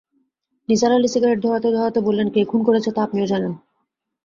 Nisar Ali cigarette ধরাতে-ধরাতে বললেন, কে খুন করেছে তা আপনিও জানেন।